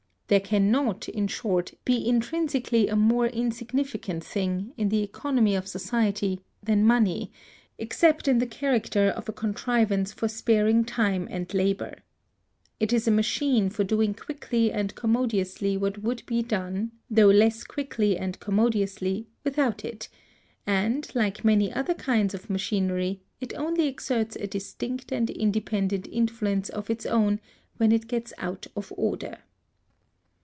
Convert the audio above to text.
There can not, in short, be intrinsically a more insignificant thing, in the economy of society, than money; except in the character of a contrivance for sparing time and labor. It is a machine for doing quickly and commodiously what would be done, though less quickly and commodiously, without it; and, like many other kinds of machinery, it only exerts a distinct and independent influence of its own when it gets out of order.